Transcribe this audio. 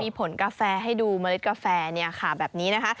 มีผลกาแฟให้ดูเมล็ดกาแฟแบบนี้นะคะ